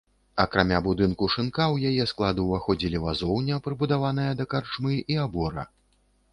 Акрамя будынку шынка, у яе склад уваходзілі вазоўня, прыбудаваная да карчмы і абора.